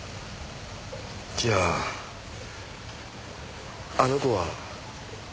じゃああの子は。